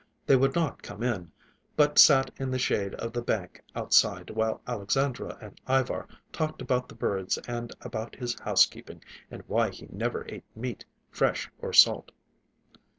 They would not come in, but sat in the shade of the bank outside while Alexandra and Ivar talked about the birds and about his housekeeping, and why he never ate meat, fresh or salt.